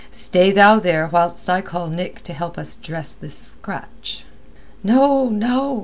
"Stay thou there whilst I call Nick to help us dress this scratch." "No, no!"